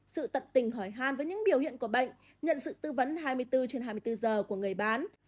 sự tận tình hỏi hàn với những biểu hiện của bệnh nhận sự tư vấn hai mươi bốn trên hai mươi bốn giờ của người bán